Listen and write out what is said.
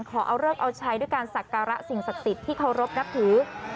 ขอเอาเลิกเอาใช้ด้วยการสักการะสิ่งศักดิ์สิทธิ์ที่เคารพนับถือ